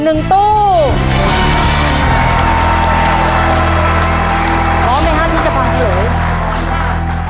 อยู่ที่หมีนอีก๑๐๐๐บาท